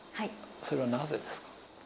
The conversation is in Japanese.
それはなぜですか？